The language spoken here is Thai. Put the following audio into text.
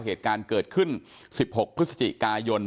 เหตุการณ์เกิดขึ้น๑๖พฤศจิกายน